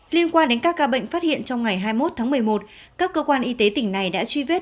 liên quan đến các ca bệnh phát hiện trong ngày hai mươi một tháng một mươi một các cơ quan y tế tỉnh này đã truy vết